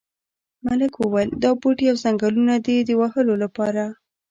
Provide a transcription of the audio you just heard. ملک وویل دا بوټي او ځنګلونه دي د وهلو لپاره.